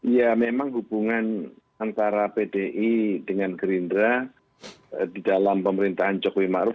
ya memang hubungan antara pdi dengan gerindra di dalam pemerintahan jokowi ma'ruf